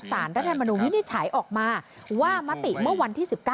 สารรัฐธรรมนูญวินิจฉัยออกมาเมื่อวันที่๑๙